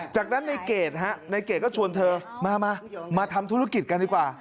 จากนั้นในเกรดฮะในเกรดก็ชวนเธอมามาทำธุรกิจกันดีกว่า